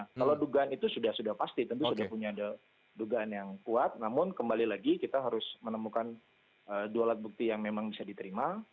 kalau dugaan itu sudah sudah pasti tentu sudah punya dugaan yang kuat namun kembali lagi kita harus menemukan dua alat bukti yang memang bisa diterima